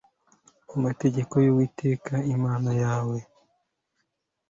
amategeko y Uwiteka Imana yawe